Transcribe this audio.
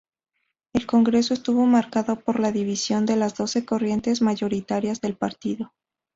El Congreso estuvo marcado por la división de las dos corrientes mayoritarias del Partido.